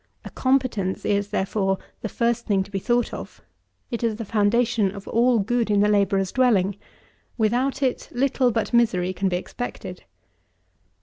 A competence is, therefore, the first thing to be thought of; it is the foundation of all good in the labourer's dwelling; without it little but misery can be expected.